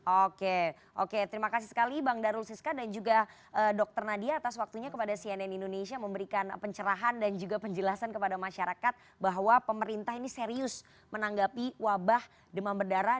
oke oke terima kasih sekali bang darul siska dan juga dr nadia atas waktunya kepada cnn indonesia memberikan pencerahan dan juga penjelasan kepada masyarakat bahwa pemerintah ini serius menanggapi wabah demam berdarah